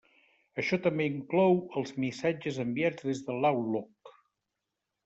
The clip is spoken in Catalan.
Això també inclou els missatges enviats des de l'Outlook.